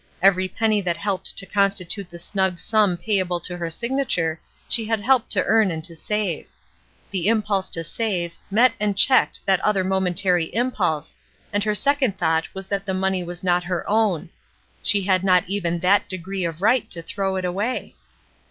Every penny that helped to constitute the snug sum payable to her signature she had helped to earn and to save. The impulse to save, met and checked that other momentary impulse, and her second thought was that the money was not her own : she had not even that degree of right to throw it away.